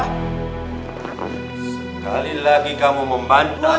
sekali lagi kamu mempantang